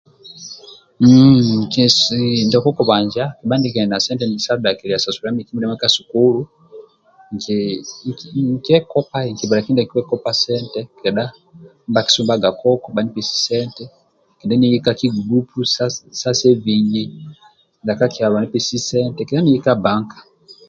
Hhh ndia kokubanja kabha ndie kili na sente sa dhakililia sasulilia miki mindiamo ka sukulu nkiekopa nkibala kndie nkiekopa sente kedha ndibha bhakisumbaga koko bhanipesie sente kedha niye ka kigulupu ndia ka kyalo anipesie sente kedha niye ka banka